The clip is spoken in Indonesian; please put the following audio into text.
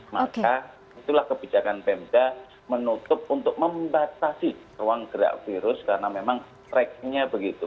maka itulah kebijakan pemda menutup untuk membatasi ruang gerak virus karena memang tracknya begitu